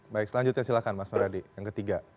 baik selanjutnya silakan mas maryadi yang ketiga